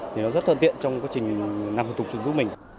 thì nó rất thượng tiện trong quá trình làm thủ tục dùng của mình